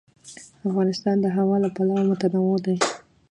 افغانستان د هوا له پلوه متنوع دی.